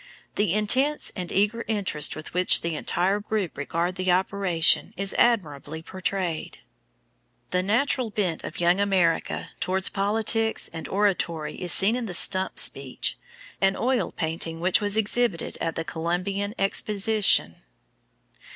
The intense and eager interest with which the entire group regard the operation is admirably portrayed. The natural bent of Young America towards politics and oratory is seen in the Stump Speech, an oil painting which was exhibited at the Columbian Exposition.